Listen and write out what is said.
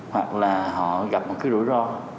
hoặc là họ gặp một cái rủi ro